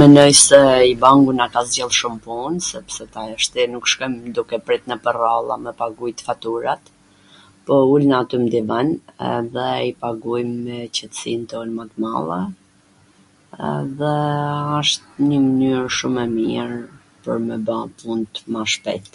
menoj se i-bang-u na ka zgjidh shum pun sepse tashti nuk shkojm duke prit nwpwr radha me pagujt faturat, po ulna aty n divan edhe i pagujm me qetsin ton ma t madhe edhe asht nji mnyr shum e mir pwr me ba punt ma shpejt